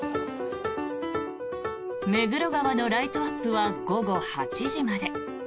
目黒川のライトアップは午後８時まで。